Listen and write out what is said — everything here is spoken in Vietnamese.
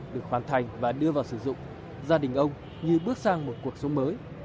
được hoàn thành và đưa vào sử dụng gia đình ông như bước sang một cuộc sống mới